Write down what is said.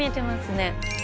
ね